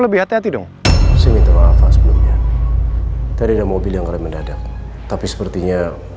lebih hati hati dong seminta maaf sebelumnya tadi ada mobil yang rem mendadak tapi sepertinya